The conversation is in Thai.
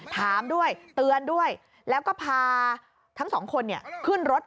ถามด้วยเตือนด้วยแล้วก็พาทั้งสองคนขึ้นรถ